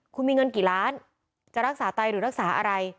คุณมีเงินกี่ล้านจะรักษาไตหรือรักษาอะไร